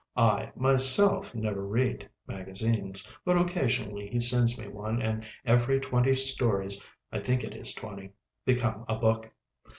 I, myself, never read magazines, but occasionally he sends me one and every twenty stories (I think it is twenty) become a book.